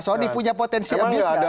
mas sohdi punya potensi abuse nggak